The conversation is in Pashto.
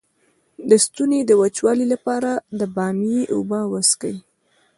د ستوني د وچوالي لپاره د بامیې اوبه وڅښئ